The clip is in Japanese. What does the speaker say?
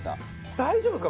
大丈夫ですか？